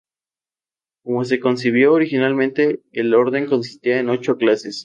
Como se concibió originalmente, el orden consistía en ocho clases.